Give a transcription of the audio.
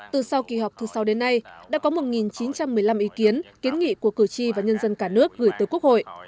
từ sau kỳ họp thứ sáu đến nay đã có một chín trăm một mươi năm ý kiến kiến nghị của cử tri và nhân dân cả nước gửi tới quốc hội